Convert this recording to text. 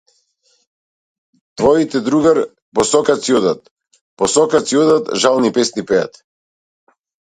Твоите другар, по сокаци одат, по сокаци одат, жални песни пеат.